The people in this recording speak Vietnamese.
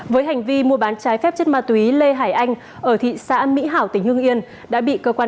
với hành vi mua bán trái phép chất ma túy lê hải anh ở thị xã mỹ hảo tỉnh hương yên đã bị cơ quan